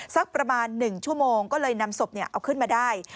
สักประมาณ๑ชั่วโมงก็เลยนำศพเอาขึ้นมาได้